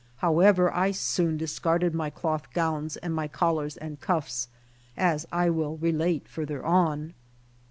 However, I soon discarded my cloth gowns and my collars and cuffs, as I will relate farther on.